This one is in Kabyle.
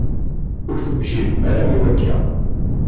Ur tewjidem ara i wakka.